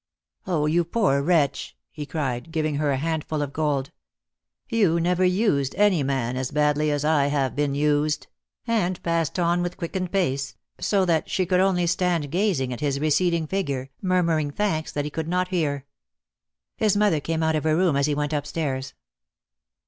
"Oh, you poor wretch," he cried, giving her a DEAD LOVE HAS CHAINS. 287 handful of gold, "you never used any man as badly as I have been used," and passed on with quickened pace, so that she could only stand gazing at his receding figure, murmuring thanks that he could not hear. His mother came out of her room as he went upstairs.